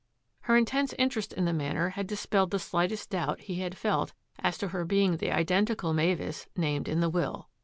Her intense interest in the Manor had dispelled the slightest doubt he had felt as to her being the identical Mavis named in the will.